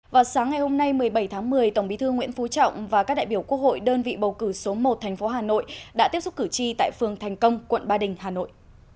vào sáng ngày hôm nay một mươi bảy tháng một mươi tổng bí thư nguyễn phú trọng và các đại biểu quốc hội đơn vị bầu cử số một tp hà nội đã tiếp xúc cử tri tại phường thành công quận ba đình hà nội